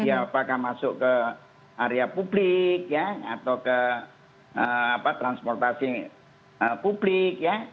apakah masuk ke area publik ya atau ke transportasi publik ya